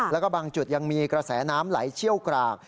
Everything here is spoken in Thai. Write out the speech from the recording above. แล้วก็บางจุดยังมีกระแสน้ำไหลเชี่ยวกราก